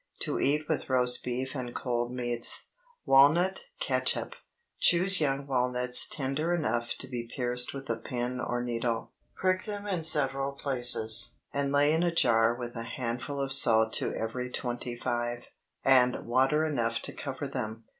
To eat with roast beef and cold meats. WALNUT CATSUP. Choose young walnuts tender enough to be pierced with a pin or needle. Prick them in several places, and lay in a jar with a handful of salt to every twenty five, and water enough to cover them.